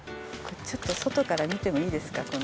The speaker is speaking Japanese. ちょっと外から見てもいいですか？